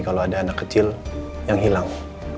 kalau ada anak kecil yang hilang